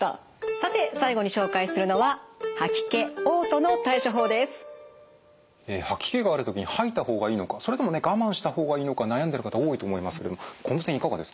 さて最後に紹介するのは吐き気がある時に吐いた方がいいのかそれともね我慢した方がいいのか悩んでる方多いと思いますけれどもこの点いかがですか？